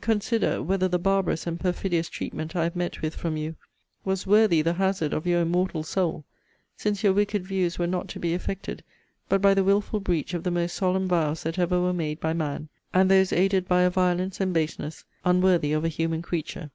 consider, whether the barbarous and perfidious treatment I have met with from you was worthy the hazard of your immortal soul; since your wicked views were not to be effected but by the wilful breach of the most solemn vows that ever were made by man; and those aided by a violence and baseness unworthy of a human creature.